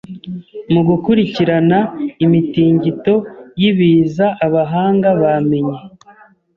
Mugukurikirana imitingito yibiza abahanga bamenye